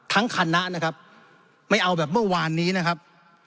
คณะนะครับไม่เอาแบบเมื่อวานนี้นะครับ